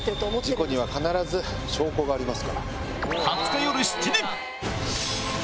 事故には必ず証拠があります。